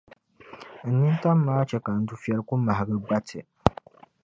n nintam maa chɛ ka n dufɛli kuli mahigi gbati.